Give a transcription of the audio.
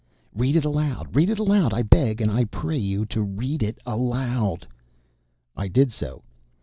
"Read it aloud! Read it aloud! I beg and I pray you to read it aloud." I did so.